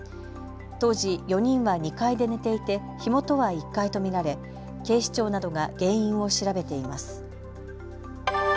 当時、４人は２階で寝ていて火元は１階と見られ警視庁などが原因を調べています。